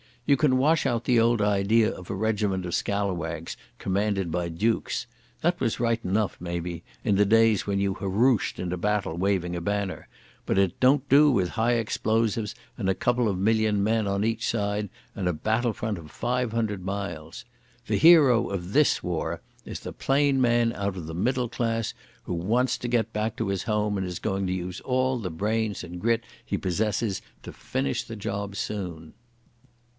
You can wash out the old idea of a regiment of scallawags commanded by dukes. That was right enough, maybe, in the days when you hurrooshed into battle waving a banner, but it don't do with high explosives and a couple of million men on each side and a battle front of five hundred miles. The hero of this war is the plain man out of the middle class, who wants to get back to his home and is going to use all the brains and grit he possesses to finish the job soon."